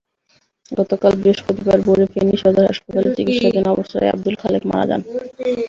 গতকাল বৃহস্পতিবার ভোরে ফেনী সদর হাসপাতালে চিকিত্সাধীন অবস্থায় আবদুল খালেক মারা যান।